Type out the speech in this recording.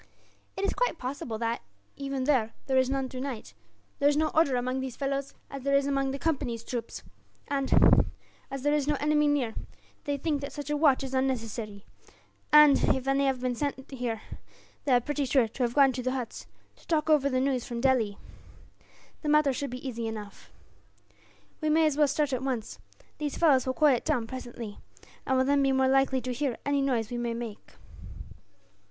"It is quite possible that, even there, there is none tonight. There is no order among these fellows, as there is among the Company's troops and, as there is no enemy near, they think that such a watch is unnecessary; and if any have been sent there, they are pretty sure to have gone to the huts, to talk over the news from Delhi. The matter should be easy enough. "We may as well start at once. These fellows will quieten down presently, and will then be more likely to hear any noise we may make."